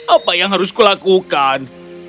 apa yang harus kulakukan